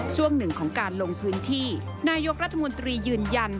ช่วงหนึ่งของการลงพื้นที่นายกรัฐมนตรียืนยัน